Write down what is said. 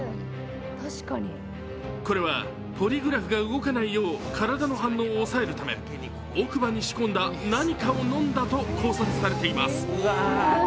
これはポリグラフが動かないよう体の反応を抑えるため奥歯に仕込んだ何かを飲んだと考察されています。